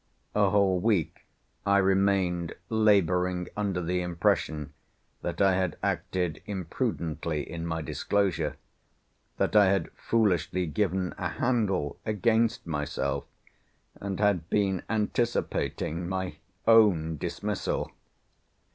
A whole week I remained labouring under the impression that I had acted imprudently in my disclosure; that I had foolishly given a handle against myself, and had been anticipating my own dismissal.